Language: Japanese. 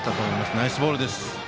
ナイスボールです。